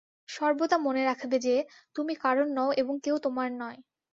সর্বদা মনে রাখবে যে তুমি কারোর নও এবং কেউ তোমার নয়।